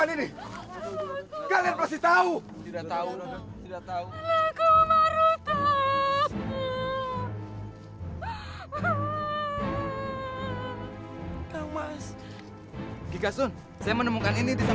terima kasih dan lagi maaf penyayang